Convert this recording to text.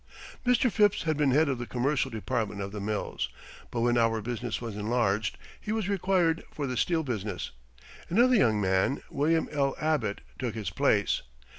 "] Mr. Phipps had been head of the commercial department of the mills, but when our business was enlarged, he was required for the steel business. Another young man, William L. Abbott, took his place.